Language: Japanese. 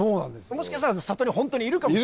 もしかしたら里にホントにいるかも。